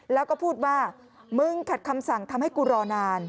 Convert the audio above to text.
แล้วก็พูดว่ามึงขัดคำสั่งทำให้กูรอนาน